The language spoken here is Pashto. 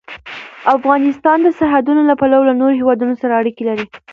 افغانستان د سرحدونه له پلوه له نورو هېوادونو سره اړیکې لري.